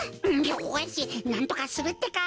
よしなんとかするってか！